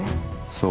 そう。